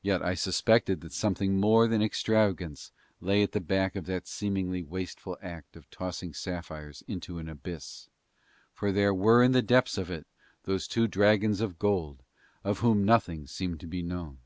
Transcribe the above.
Yet I suspected that something more than extravagance lay at the back of that seemingly wasteful act of tossing sapphires into an abyss, for there were in the depths of it those two dragons of gold of whom nothing seemed to be known.